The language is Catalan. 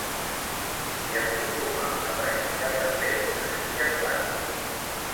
S'hi acostuma a practicar també esquí aquàtic.